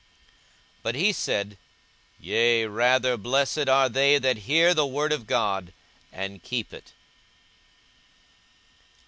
42:011:028 But he said, Yea rather, blessed are they that hear the word of God, and keep it.